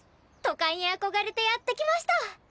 都会に憧れてやって来ました！